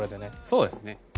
そうですね。